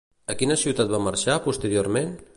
A quina ciutat va marxar posteriorment?